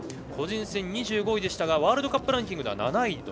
個人戦２５位でしたがワールドカップランキングは７位。